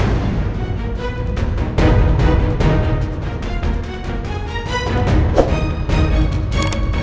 dengar suara dewi